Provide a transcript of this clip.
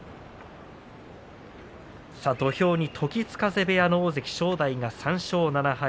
土俵は時津風部屋の大関正代３勝７敗。